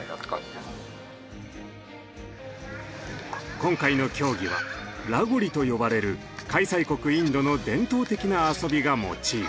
今回の競技は「ラゴリ」と呼ばれる開催国インドの伝統的な遊びがモチーフ。